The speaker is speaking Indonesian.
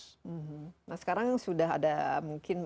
nah sekarang sudah ada mungkin